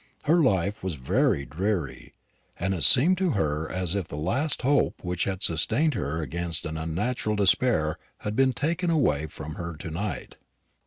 Her life was very dreary, and it seemed to her as if the last hope which had sustained her against an unnatural despair had been taken away from her to night.